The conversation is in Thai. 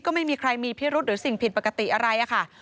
ก็ไม่มีใครมีพิรุษหรือสิ่งผิดปกติอะไรค่ะ